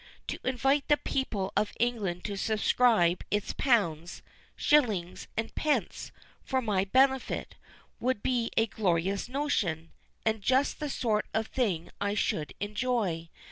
To invite the people of England to subscribe its pounds, shillings, and pence for my benefit, would be a glorious notion, and just the sort of thing I should enjoy.